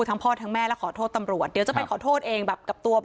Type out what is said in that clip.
ทั้งพ่อทั้งแม่และขอโทษตำรวจเดี๋ยวจะไปขอโทษเองแบบกับตัว